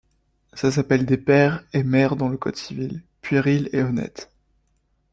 Ça s’appelle des pères et mères dans le code civil, puéril et honnête.